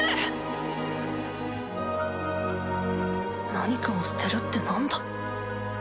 何かを捨てるってなんだ？